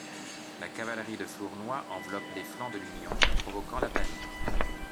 La cavalerie de Flournoy enveloppe les flancs de l'Union, provoquant la panique.